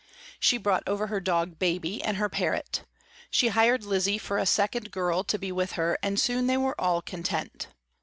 She brought over her dog, Baby, and her parrot. She hired Lizzie for a second girl to be with her and soon they were all content.